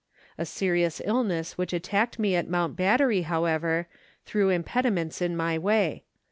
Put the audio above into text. A serious illness which attacked me at Mount Battery, however, threw impediments in my way.